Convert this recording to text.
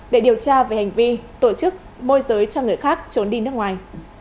để điều tra về hành vi tổ chức môi giới cho người khác trốn đi nước ngoài